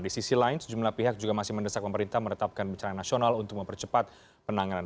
di sisi lain sejumlah pihak juga masih mendesak pemerintah menetapkan bencana nasional untuk mempercepat penanganan